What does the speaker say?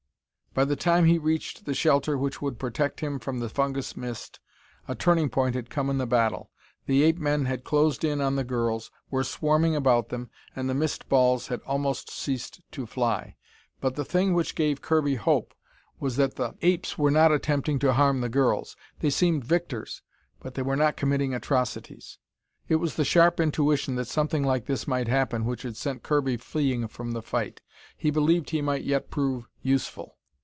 By the time he reached the shelter which would protect him from the fungus mist, a turning point had come in the battle. The ape men had closed in on the girls, were swarming about them, and the mist balls had almost ceased to fly. But the thing which gave Kirby hope was that the apes were not attempting to harm the girls. They seemed victors, but they were not committing atrocities. It was the sharp intuition that something like this might happen which had sent Kirby fleeing from the fight. He believed he might yet prove useful.